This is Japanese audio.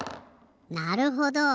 なるほど。